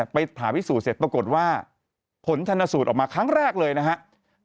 ไปผ่าพิสูจน์เสร็จปรากฏว่าผลชนสูตรออกมาครั้งแรกเลยนะครับ